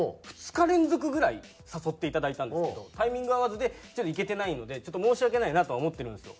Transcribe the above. ２日連続ぐらい誘っていただいたんですけどタイミング合わずでちょっと行けてないので申し訳ないなとは思ってるんです。